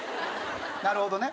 なるほどね。